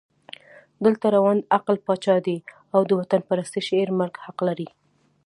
دلته ړوند عقل پاچا دی او د وطنپرستۍ شعر مرګ حق لري.